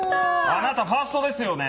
あなたファーストですよね！